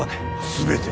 全て。